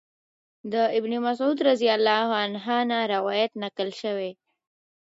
د ابن مسعود رضی الله عنه نه روايت نقل شوی